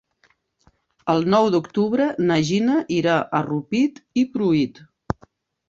El nou d'octubre na Gina irà a Rupit i Pruit.